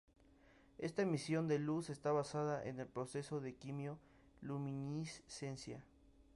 Esta emisión de luz está basada en el proceso de quimio-luminiscencia.